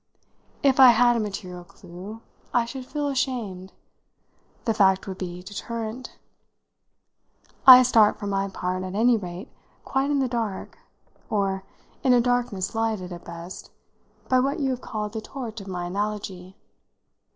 If I had a material clue I should feel ashamed: the fact would be deterrent. I start, for my part, at any rate, quite in the dark or in a darkness lighted, at best, by what you have called the torch of my analogy.